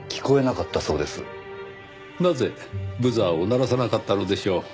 なぜブザーを鳴らさなかったのでしょう？